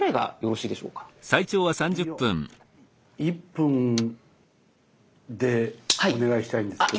１分でお願いしたいんですけど。